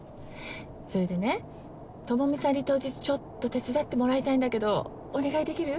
それでね朋美さんに当日ちょっと手伝ってもらいたいんだけどお願いできる？